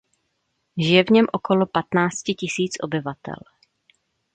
Žije v něm okolo patnácti tisíc obyvatel.